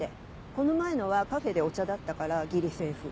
この前のはカフェでお茶だったからギリセーフ。